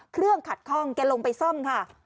เครื่องขัดคล่องแกลงไปซ่อมค่ะ